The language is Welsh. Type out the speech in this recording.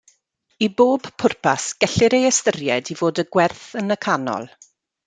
I bob pwrpas, gellir ei ystyried i fod y gwerth yn y canol.